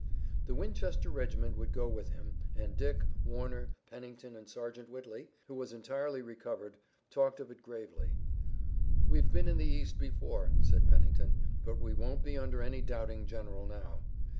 The Winchester regiment would go with him and Dick, Warner, Pennington and Sergeant Whitley, who was entirely recovered, talked of it gravely: "We've been in the East before," said Pennington, "but we won't be under any doubting general now."